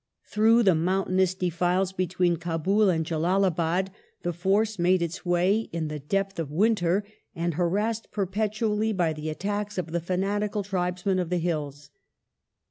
Through the mountainous defiles between Kabul and Jalalabad the force made its way, in the depth of winter, and harassed perpetually by the attacks of the fanatical tribesmen of the hills.